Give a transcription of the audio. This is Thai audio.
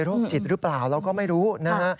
โรคจิตหรือเปล่าเราก็ไม่รู้นะฮะ